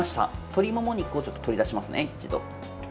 鶏もも肉を取り出しますね、一度。